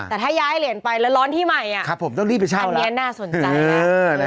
แต่ถ้าย้ายเหรียญไปแล้วร้อนที่ใหม่ผมต้องรีบไปใช้อันนี้น่าสนใจนะ